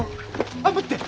あっ待って！